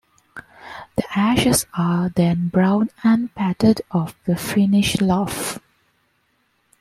The ashes are then blown and patted off the finished loaf.